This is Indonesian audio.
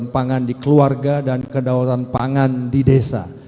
pangan di keluarga dan kedaulatan pangan di desa